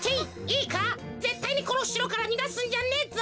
いいかぜったいにこのしろからにがすんじゃねえぞ。